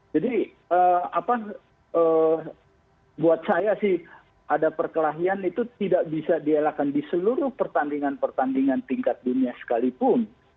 jadi buat saya sih ada perkelahian itu tidak bisa dielakkan di seluruh pertandingan pertandingan tingkat dunia sekalipun